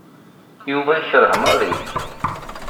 Yuba yekreh Mary.